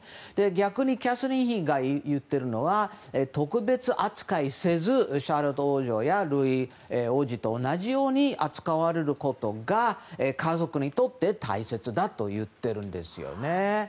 逆にキャサリン妃が言っているのは特別扱いせずシャーロット王女やルイ王子と同じように扱われることが家族にとって大切だと言ってるんですね。